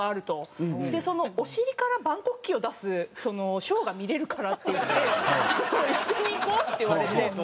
「お尻から万国旗を出すショーが見れるから」って言って「一緒に行こう」って言われて。